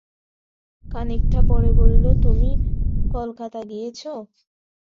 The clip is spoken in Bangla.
খানিকটা পরে বলিল, তুমি কলকাতা গিয়েচ?